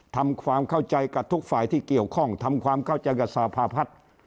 ทำความเข้าใจกับทุกฝ่ายที่เกี่ยวข้องทำความเข้าใจกับสภาพัฒน์